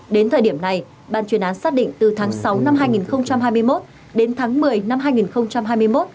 đến thời điểm này ban chuyên án xác định từ tháng sáu năm hai nghìn hai mươi một đến tháng một mươi năm hai nghìn hai mươi một